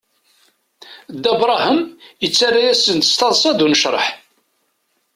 Dda Brahem yettara-yasen-d s taḍsa d unecraḥ.